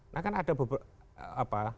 nah kan ada beberapa apa